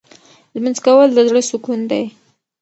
لمونځ کول د زړه سکون دی.